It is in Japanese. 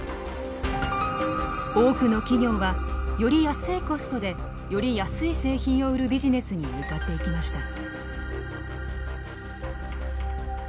多くの企業はより安いコストでより安い製品を売るビジネスに向かっていきました。